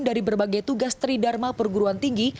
dari berbagai tugas tridharma perguruan tinggi